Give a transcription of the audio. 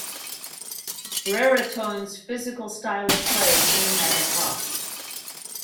Brereton's physical style of play came at a cost.